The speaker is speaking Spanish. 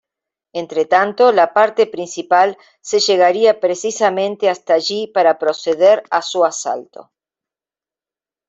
Entretanto, la parte principal se llegaría precisamente hasta allí para proceder a su asalto.